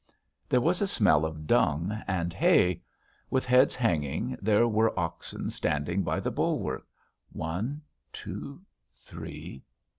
There was a smell of dung and hay. With heads hanging there were oxen standing by the bulwark one, two, three